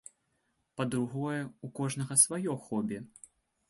Па-другое, у кожнага сваё хобі.